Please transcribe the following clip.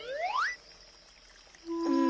うん。